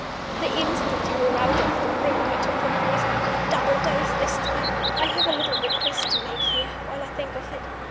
"The instant you were out of the room I took the poison a double dose this time. "I have a little request to make here, while I think of it.